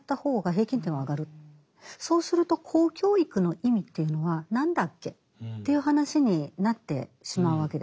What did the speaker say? そうすると公教育の意味というのは何だっけという話になってしまうわけです。